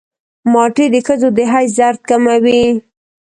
مالټې د ښځو د حیض درد کموي.